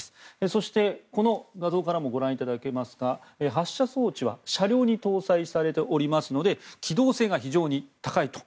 そして、この画像からもご覧いただけますが発射装置は車両に搭載されておりますので機動性が非常に高いと。